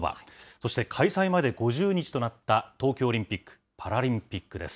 そして開催まで５０日となった東京オリンピック・パラリンピックです。